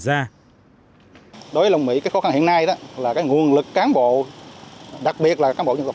đối với lòng mỹ cái khó khăn hiện nay đó là cái nguồn lực cán bộ đặc biệt là cán bộ dân tộc